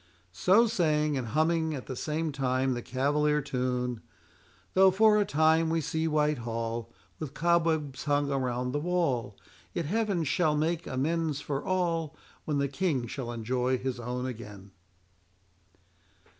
So saying, and humming at the same time the cavalier tune,— "Though for a time we see Whitehall With cobwebs hung around the wall, Yet Heaven shall make amends for all. When the King shall enjoy his own again."